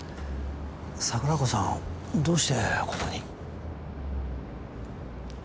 桜子さんどうしてここに。